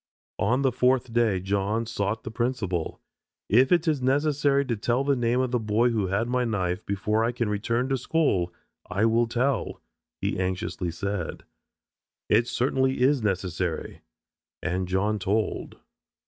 On the fourth day John sought the principal. "If it is necessary to tell the name of the boy who had my knife before I can return to school, I will tell," he anxiously said. "It certainly is necessary." And John told.